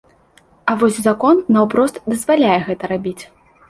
А вось закон наўпрост дазваляе гэта рабіць.